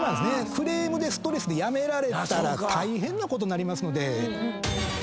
クレームでストレスで辞められたら大変なことになる。